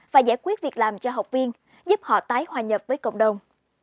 và giải quyết việc làm cho học viên giúp họ tái hòa nhập với cộng đồng